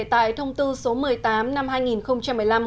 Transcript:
tại thông tư số một mươi tám năm hai nghìn một mươi năm